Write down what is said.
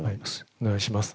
お願いします。